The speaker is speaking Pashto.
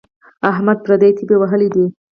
احمد پردۍ تبې وهلی دی.